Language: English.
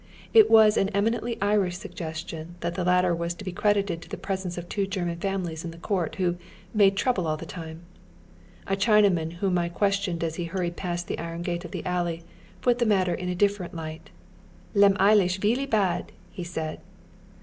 It was an eminently Irish suggestion that the latter was to be credited to the pres ence of two German families in the court, who " made trouble all the time." A Chinaman whom I questioned as he hurried past the iron gate of the alley, put the mat oy Google 36 now riir. otiieii iiai k lives. ter in a different liglit. " Lem Ilisli veJly bad," iie said.